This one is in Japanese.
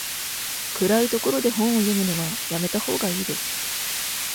暗い所で本を読むのはやめたほうがいいです。